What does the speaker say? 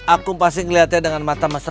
aku pasti ngeliatnya dengan mata masyarakat